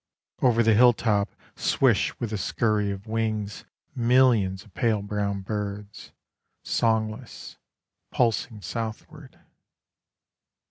Over the hilltop Swish with a scurry of wings Millions of pale brown birds, Songless, pulsing southward.